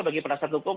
bagi penduduk umum